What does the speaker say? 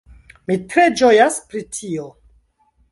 Mi tre ĝojas pri tio!